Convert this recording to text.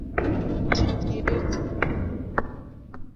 Chidi Egwu